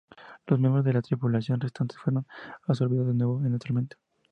Los miembros de la tripulación restantes fueron absorbidos de nuevo en la tormenta.